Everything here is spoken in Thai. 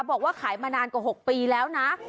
บอกว่าขายมานานกว่า๖ปีแล้วนะ